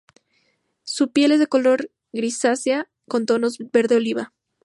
Su piel es de color grisácea con tonos verde oliva.